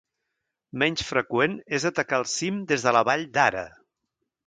Menys freqüent és atacar el cim des de la vall d'Ara.